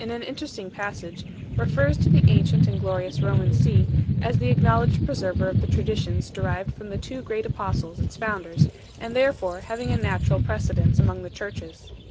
Irenseus, in an interesting passage 6 , refers to the ancient and glorious Roman see as the ac knowledged preserver of the traditions derived from the two great apostles its founders, and therefore having a natural precedence 7 among the churches.